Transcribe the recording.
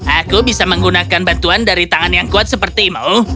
aku bisa menggunakan bantuan dari tangan yang kuat sepertimu